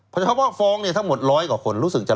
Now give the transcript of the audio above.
เพราะฟองทั้งหมด๑๐๐กว่าคนรู้สึกจะ๑๐๓คน